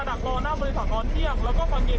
น่าจะเป็นอ๋อน่าจะตามเรากับโรงจิต